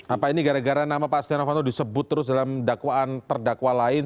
apa ini gara gara nama pak setia novanto disebut terus dalam dakwaan terdakwa lain